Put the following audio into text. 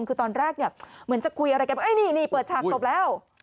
คือตอนแรกเนี่ยเหมือนจะคุยอะไรกันว่านี่เปิดฉากตบแล้ว